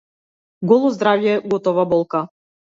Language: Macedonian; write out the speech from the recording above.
Голо здравје, готова болка.